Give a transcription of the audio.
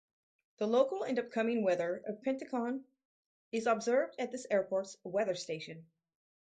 The local and upcoming weather of Penticton is observed at this airport's weather station.